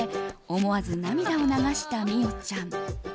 思わず涙を流した美桜ちゃん。